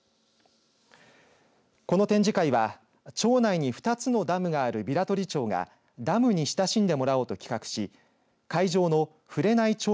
この展示会は町内に２つのダムがある平取町がダムに親しんでもらおうと企画し会場の振内町